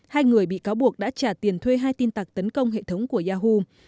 hai người bị cáo buộc đã trả tiền thuê hai tin tặc tấn công hệ thống của yahu